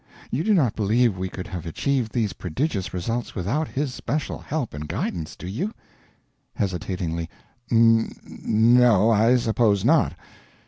You do not believe we could have achieved these prodigious results without His special help and guidance, do you?" Hesitatingly, "N no, I suppose not."